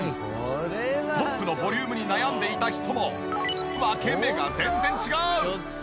トップのボリュームに悩んでいた人も分け目が全然違う！